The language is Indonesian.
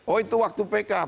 oh itu waktu pk